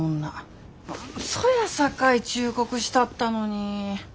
そやさかい忠告したったのに。